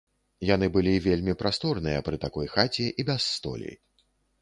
Яны былі вельмі прасторныя пры такой хаце і без столі.